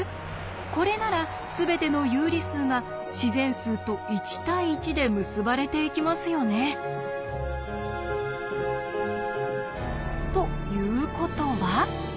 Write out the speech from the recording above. これならすべての有理数が自然数と１対１で結ばれていきますよね。ということは？